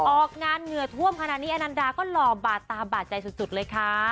ออกงานเหงื่อท่วมขนาดนี้อนันดาก็หล่อบาดตาบาดใจสุดเลยค่ะ